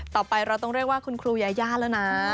ต่อไปเราต้องเรียกว่าคุณครูยายาแล้วนะ